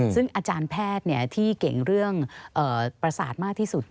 ซึ่งอาจารย์แพทย์ที่เก่งเรื่องประสาทมากที่สุด